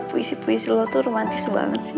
puisi puisi lu tuh romantis banget sih